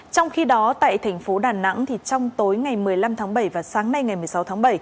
trong khi đó tại thành phố đà nẵng trong tối ngày một mươi năm tháng bảy và sáng nay ngày một mươi sáu tháng bảy